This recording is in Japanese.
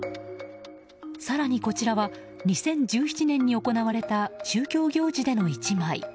更にこちらは２０１７年に行われた宗教行事での１枚。